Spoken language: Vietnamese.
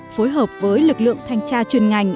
phối hợp với lực lượng thanh tra chuyên ngành